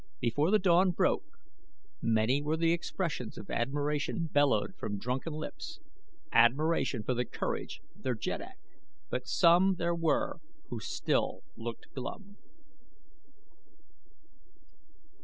Before the dawn broke many were the expressions of admiration bellowed from drunken lips admiration for the courage of their jeddak; but some there were who still looked glum.